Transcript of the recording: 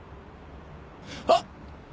あっ！